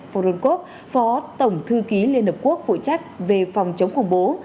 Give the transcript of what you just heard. forunkov phó tổng thư ký liên hợp quốc phụ trách về phòng chống khủng bố